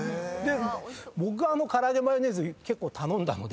僕唐揚げマヨネーズ結構頼んだので。